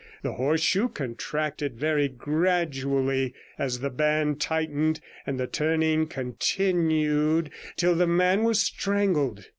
The horseshoe contracted very gradually as the band tightened, and the turning continued till the man was strangled.